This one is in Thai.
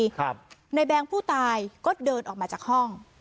ครับในแบงค์ผู้ตายก็เดินออกมาจากห้อง